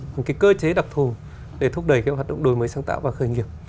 một cái cơ chế độc thù để thúc đẩy các hoạt động đổi mới sáng tạo và khởi nghiệp